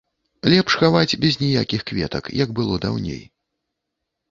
Лепш хаваць без ніякіх кветак, як было даўней.